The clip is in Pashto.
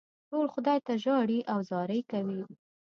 ټول خدای ته ژاړي او زارۍ کوي.